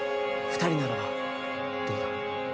二人ならばどうだ？